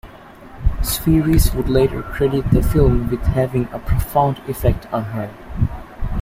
Spheeris would later credit the film with having a profound effect on her.